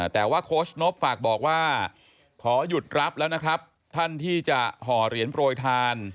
แต่ว่าโค้ชนบฝากบอกว่าขอหยุดรับแล้วนะครับท่านที่จะห่อเหรียญโปรยทาน